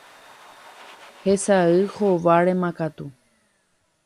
hesay hovárema katu.